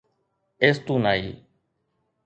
ايستونائي